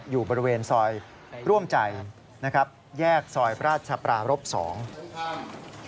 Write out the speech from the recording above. อยู่บริเวณซอยร่วมใจแยกซอยพระอาจารย์ประวัติศาสตราภาคำำ